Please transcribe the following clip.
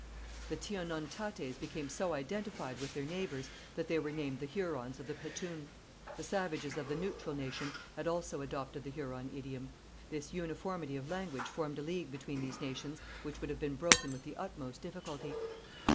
The Tionnontatés became so identified with their neighbours that they were named the Hurons of the Petun. The savages of the Neutral Nation had also adopted the Huron idiom. This uniformity of language formed a league between these nations which would have been broken with the utmost difficulty.